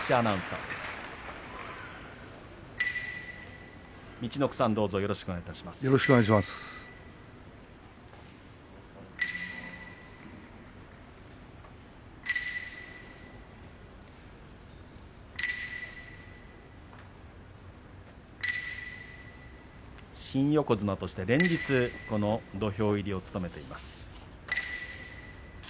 柝きの音新横綱として連日土俵入りを務めています。